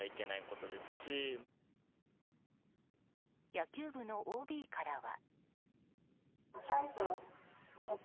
野球部のＯＢからは。